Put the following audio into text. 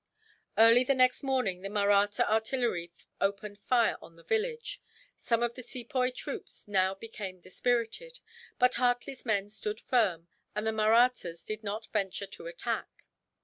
Early the next morning the Mahratta artillery opened fire on the village. Some of the Sepoy troops now became dispirited; but Hartley's men stood firm, and the Mahrattas did not venture to attack.